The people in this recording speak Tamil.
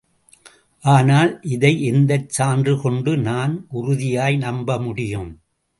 ஆனால், இதை எந்தச் சான்றுகொண்டு நான் உறுதியாய் நம்ப முடியும்?